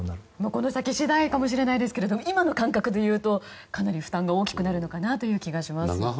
この先次第かもしれませんが今の感覚でいうとかなり負担が大きくなるのかなという気がしますね。